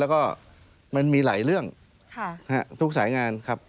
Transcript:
แล้วก็มันมีหลายเรื่องทุกสายงานครับ